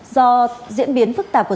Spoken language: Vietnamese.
do diễn biến phức tạp của dân